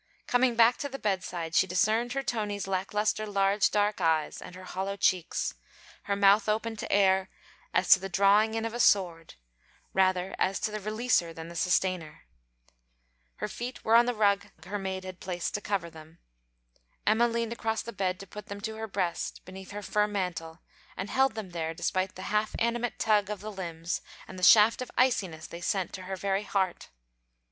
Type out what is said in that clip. Coming back to the bedside, she discerned her Tony's lacklustre large dark eyes and her hollow cheeks: her mouth open to air as to the drawing in of a sword; rather as to the releaser than the sustainer. Her feet were on the rug her maid had placed to cover them. Emma leaned across the bed to put them to her breast, beneath her fur mantle, and held them there despite the half animate tug of the limbs and the shaft of iciness they sent to her very heart.